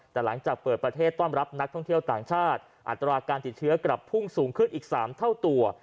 แต่หลังจากเปิดประเทศต้อนรับนักท่องเที่ยวต่างชาติอัตราการติดเชื้อกลับพุ่งสูงขึ้นอีก๓เท่าตัว